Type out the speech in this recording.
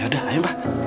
yaudah ayo mbak